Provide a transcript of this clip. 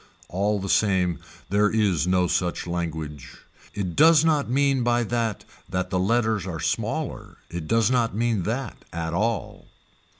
All the same there is no such language, it does not mean by that that the letters are smaller it does not mean that at all.